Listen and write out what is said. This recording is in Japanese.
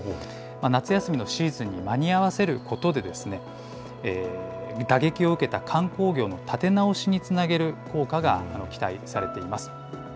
夏休みのシーズンに間に合わせることで、打撃を受けた観光業の立て直しにつなげる効果が期待されています。